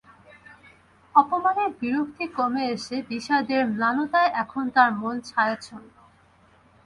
অপমানের বিরক্তি কমে এসে বিষাদের ম্লানতায় এখন তার মন ছায়াচ্ছন্ন।